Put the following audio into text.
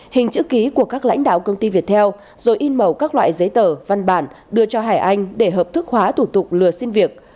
hình chữ ký của các lãnh đạo công ty việt theo rồi in màu các loại giấy tờ văn bản đưa cho hải anh để hợp thức hóa thủ tục lừa xin việc